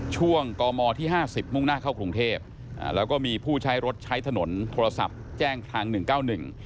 ช่วงกมที่๕๐มุ่งหน้าเข้ากรุงเทพฯแล้วก็มีผู้ใช้รถใช้ถนนโทรศัพท์แจ้งทาง๑๙๑